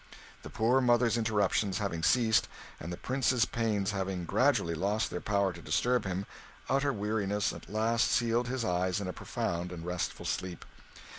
The poor mother's interruptions having ceased, and the Prince's pains having gradually lost their power to disturb him, utter weariness at last sealed his eyes in a profound and restful sleep.